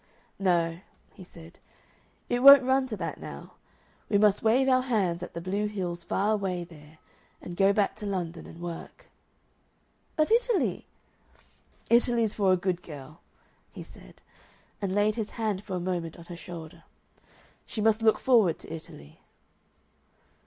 "No," he said; "it won't run to that now. We must wave our hands at the blue hills far away there and go back to London and work." "But Italy " "Italy's for a good girl," he said, and laid his hand for a moment on her shoulder. "She must look forward to Italy."